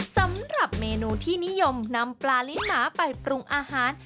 สำหรับเมนูที่นิยมนำปลาลิ้นหนาไปปรุงอาหาร